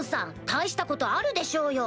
大したことあるでしょうよ